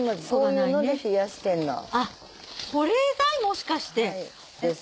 もしかして。です。